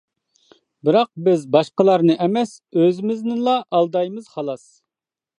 بىراق بىز باشقىلارنى ئەمەس ئۆزىمىزنىلا ئالدايمىز خالاس!